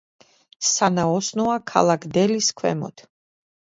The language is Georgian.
სანაოსნოა ქალაქ დელის ქვემოთ.